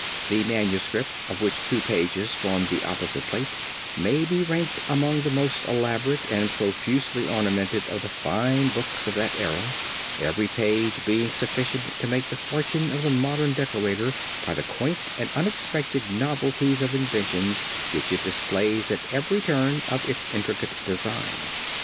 The manuscript, of which two pages form the opposite plate, may be ranked among the most elaborate and profusely ornamented of the fine books of that era; every page being sufficient to make the fortune of the modern decorator by the quaint and unexpected novelties of inventions which it displays at every turn of its intricate design."